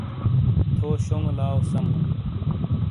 تھو شونگو لاؤسم ہوں ۔